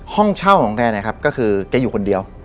ห้องเช่าของแกเนี่ยครับก็คือแกอยู่คนเดียว